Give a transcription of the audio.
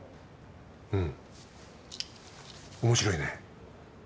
うん面白いね。